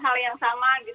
hal yang sama gitu ya mas